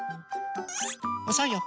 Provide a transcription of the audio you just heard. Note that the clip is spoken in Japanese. おそいよ。